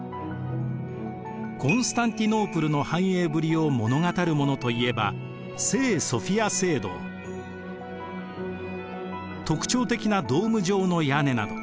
コンスタンティノープルの繁栄ぶりを物語るものといえば特徴的なドーム状の屋根など